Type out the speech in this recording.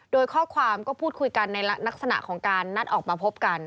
โดยข้อความก็พูดคุยกันในลักษณะของการนัดออกมาพบกัน